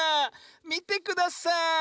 みてください！